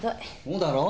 そうだろ？